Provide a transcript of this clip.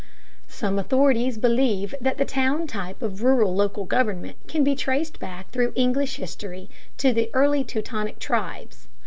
Some authorities believe that the town type of rural local government can be traced back through English history to the early Teutonic tribes.